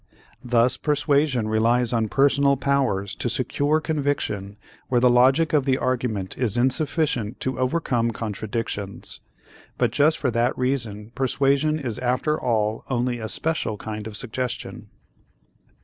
Thus persuasion relies on personal powers to secure conviction where the logic of the argument is insufficient to overcome contradictions. But just for that reason persuasion is after all only a special kind of suggestion.